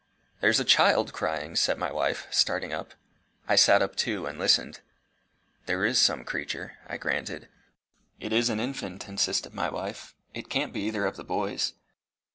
"There's a child crying!" said my wife, starting up. I sat up too, and listened. "There is some creature," I granted. "It is an infant," insisted my wife. "It can't be either of the boys."